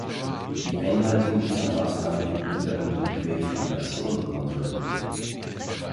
Die Einhaltung dieser Maßnahmen wird wiederum durch Verifikation kontrolliert.